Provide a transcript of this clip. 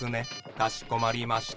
かしこまりました。